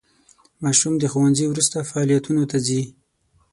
ماشوم د ښوونځي وروسته فعالیتونو ته ځي.